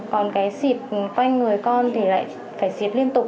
còn cái xịt quanh người con thì lại phải diệt liên tục